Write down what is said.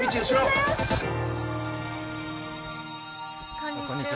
こんにちは。